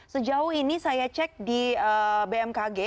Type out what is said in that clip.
sejauh ini saya cek di bmkg